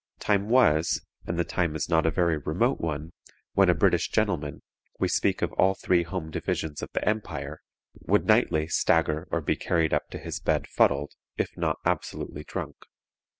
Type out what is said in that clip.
Time was, and the time is not a very remote one, when a British gentleman we speak of all three home divisions of the empire would nightly stagger or be carried up to his bed fuddled, if not absolutely drunk.